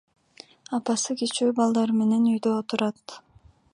Апасы кичүү балдары менен үйдө отурат.